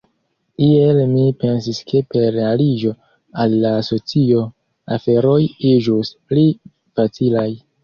Iel mi pensis ke per aliĝo al la asocio, aferoj iĝus pli facilaj.